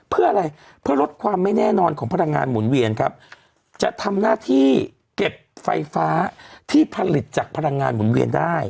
เพื่ออะไร